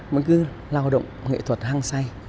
mình cứ lao động nghệ thuật hăng say